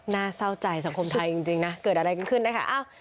น่าเศร้าใจสังคมไทยจริงนะเกิดอะไรขึ้นนะคะ